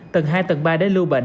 tầng hai tầng ba đế lưu bệnh